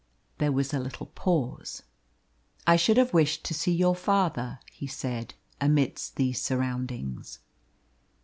There was a little pause. "I should have wished to see your father," he said, "amidst these surroundings."